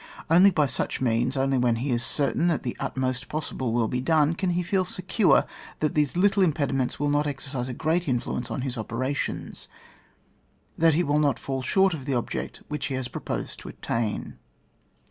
Only by such means, only when he is certain that the utmost possible will be done, can he feel secure that these little impediments will not exercise a great influence on his operations, that he will not fall short of the object which he proposed to at tain.